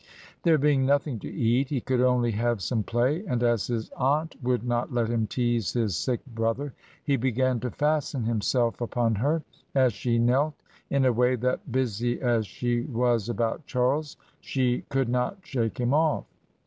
There being nothing to eat, he could only have 6ome play, and as his aunt would not let him tease his sick brother, he began to fasten himself upon her, as she knelt, in a way that, busy as she was about Charles, she could not shake him off.